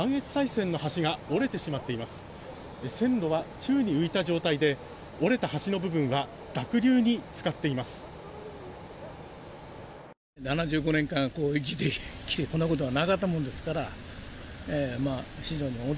線路は宙に浮いた状態で折れた橋の部分が濁流に浸かっています。